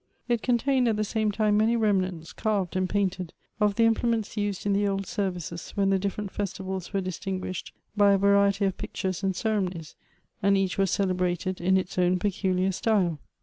It contained at the same time many remnants, carved and painted, of the imple ments used in the old services, when the different festivals were distinguished by a variety of pictures and cere monies, and each was celebrated in its own peculiar style.